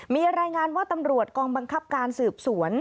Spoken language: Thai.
มีรายงานว่าตำรวจกองบังคับการสืบสวน